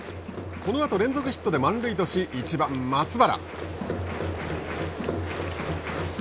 このあと連続ヒットで満塁とし１番松原。